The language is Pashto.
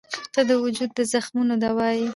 • ته د وجود د زخمونو دوا یې.